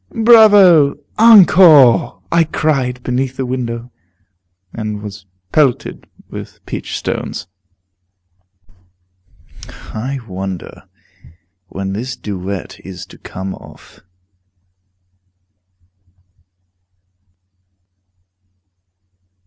"Bravo! Encore!" I cried, beneath the window, and was pelted with peach stones. I wonder when this duet is to come off.